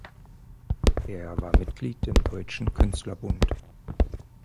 Er war Mitglied im Deutschen Künstlerbund.